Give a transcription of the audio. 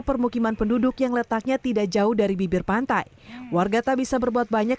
permukiman penduduk yang letaknya tidak jauh dari bibir pantai warga tak bisa berbuat banyak